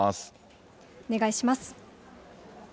お願いします。